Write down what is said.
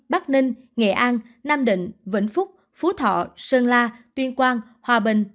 bắc ninh nghệ an nam định vĩnh phúc phú thọ sơn la tuyên quang hòa bình